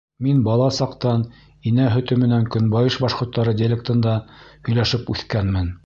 Мин бала саҡтан, инә һөтө менән көнбайыш башҡорттары диалектында һөйләшеп үҫкәнмен.